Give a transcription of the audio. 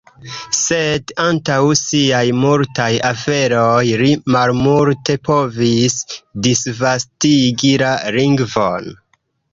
Sed, antaŭ siaj multaj aferoj, li malmulte povis disvastigi la lingvon.